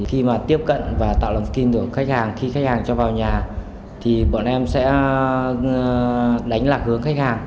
khi mà tiếp cận và tạo lòng tin của khách hàng khi khách hàng cho vào nhà thì bọn em sẽ đánh lạc hướng khách hàng